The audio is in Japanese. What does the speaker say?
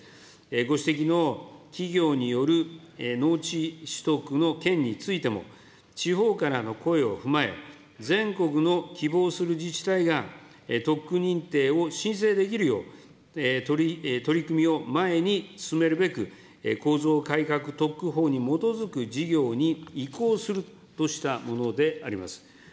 ご指摘の企業による農地取得の件についても、地方からの声を踏まえ、全国の希望する自治体が特区認定を申請できるよう、取り組みを前に進めるべく、構造改革特区法に基づく事業に移行するとしたものであります。